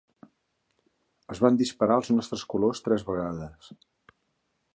Es van disparar els nostres colors tres vegades.